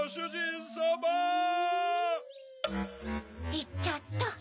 いっちゃった。